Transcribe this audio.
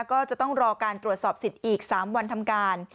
ก็จะต้องรอการตรวจสอบสิทธิ์อีก๓วันทำการ